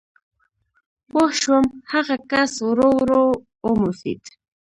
پوه شوم، هغه کس ورو ورو وموسېد.